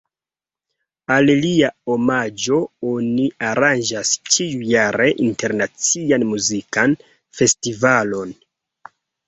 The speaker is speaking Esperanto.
Al lia omaĝo oni aranĝas ĉiujare internacian muzikan festivalon.